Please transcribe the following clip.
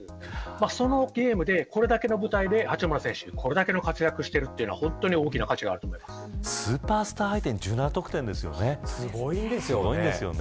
そのゲームで、これだけの舞台で八村選手、これだけの活躍をしているというのはスーパースター相手に１７得点ですよねすごいですよね。